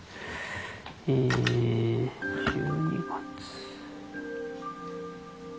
え１２月。